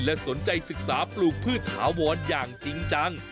และสนใจศึกษาปลูกพืชถาวรอย่างจริงจัง